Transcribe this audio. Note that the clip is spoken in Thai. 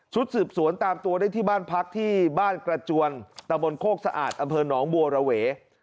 สืบสวนตามตัวได้ที่บ้านพักที่บ้านกระจวนตะบนโคกสะอาดอำเภอหนองบัวระเว